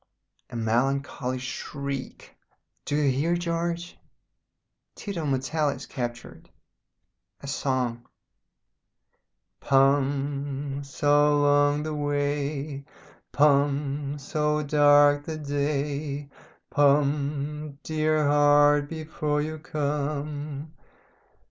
... A melancholy shriek. Do you hear, George? Tito Mattel is captured. A song. "'Pum So long the way Pum so dark the day Pum DEAR HEART! before you come.'